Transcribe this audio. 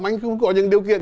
anh không có những điều kiện